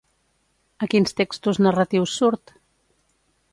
A quins textos narratius surt?